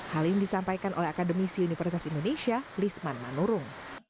hal ini disampaikan oleh akademisi universitas indonesia lisman manurung